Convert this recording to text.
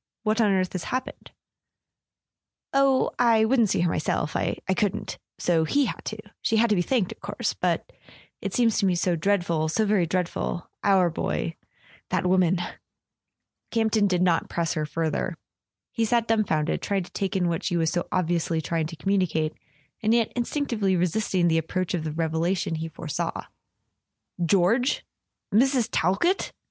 Wliat on earth has happened ?" "Oh, I wouldn't see her myself ... I couldn't. ..[ 300 ] A SON AT THE FRONT so he had to. She had to be thanked, of course ... but it seems to me so dreadful, so very dreadful. .. our boy ... that woman. . Campton did not press her further. He sat dumb¬ founded, trying to take in what she was so obviously trying to communicate, and yet instinctively resisting the approach of the revelation he foresaw. "George— Mrs. Talkett?"